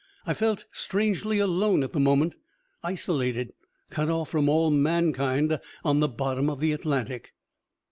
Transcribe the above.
I felt strangely alone at the moment, isolated, cut off from all mankind, on the bottom of the Atlantic.